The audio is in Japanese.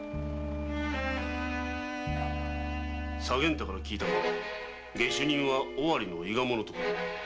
左源太から聞いたが下手人は尾張の伊賀者とか？